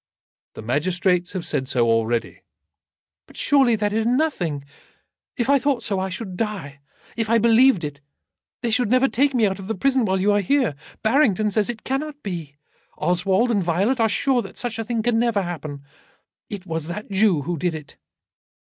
"The magistrates have said so already." "But surely that is nothing. If I thought so, I should die. If I believed it, they should never take me out of the prison while you are here. Barrington says that it cannot be. Oswald and Violet are sure that such a thing can never happen. It was that Jew who did it."